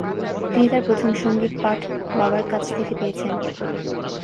তিনি তার প্রথম সঙ্গীত পাঠ বাবার কাছ থেকে পেয়েছেন।